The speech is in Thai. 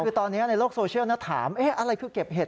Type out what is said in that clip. คือตอนนี้ในโลกโซเชียลถามอะไรคือเก็บเห็ด